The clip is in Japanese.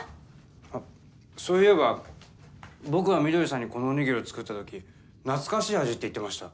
あっそういえば僕が翠さんにこのおにぎりを作った時懐かしい味って言ってました。